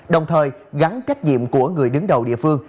đồng thời gắn trách nhiệm của người đứng đầu địa phương